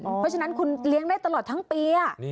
เพราะฉะนั้นคุณเลี้ยงได้ตลอดทั้งปี